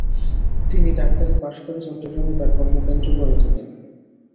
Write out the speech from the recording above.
তিনি ডাক্তারি পাশ করে চট্টগ্রামে তার কর্মকেন্দ্র গড়ে তোলেন।